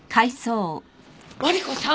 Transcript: マリコさん！？